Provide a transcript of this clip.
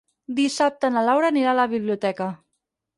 Dissabte na Laura anirà a la biblioteca.